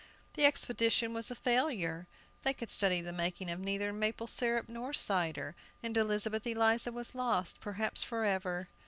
The expedition was a failure! They could study the making of neither maple syrup nor cider, and Elizabeth Eliza was lost, perhaps forever!